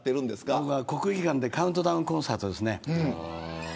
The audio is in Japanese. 僕は国技館でカウントダウンコンサートですね。